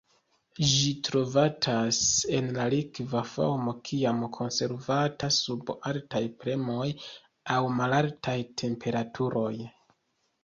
Ĝi trovatas en la likva formo kiam konservata sub altaj premoj aŭ malaltaj temperaturoj.